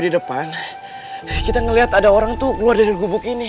di depan kita ngelihat ada orang tuh